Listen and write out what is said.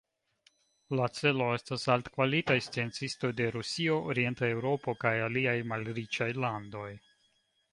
La celo estas altkvalitaj sciencistoj de Rusio, orienta Eŭropo kaj aliaj malriĉaj landoj.